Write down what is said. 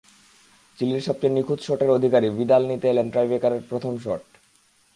চিলির সবচেয়ে নিখুঁত শটের অধিকারী ভিদাল নিতে এলেন টাইব্রেকারের প্রথম শট।